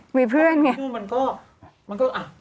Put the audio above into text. อยู่ที่นู่นนานมันก็